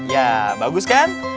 ya bagus kan